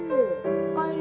おかえり。